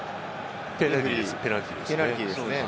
ペナルティーですね。